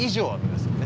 ですよね。